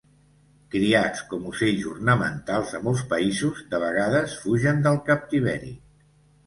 Criats com ocells ornamentals a molts països, de vegades fugen del captiveri.